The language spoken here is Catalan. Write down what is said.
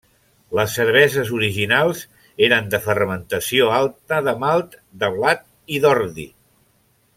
Les cerveses originals eren de fermentació alta de malt de blat i d'ordi.